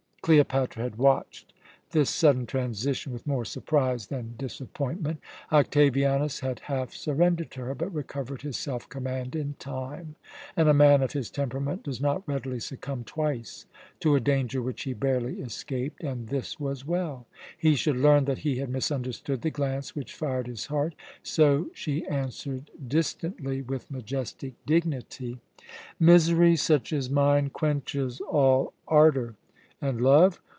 Cleopatra had watched this sudden transition with more surprise than disappointment. Octavianus had half surrendered to her, but recovered his self command in time, and a man of his temperament does not readily succumb twice to a danger which he barely escaped. And this was well! He should learn that he had misunderstood the glance which fired his heart; so she answered distantly, with majestic dignity: "Misery such as mine quenches all ardour. And love?